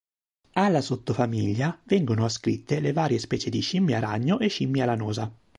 Alla sottofamiglia vengono ascritte le varie specie di scimmia ragno e scimmia lanosa.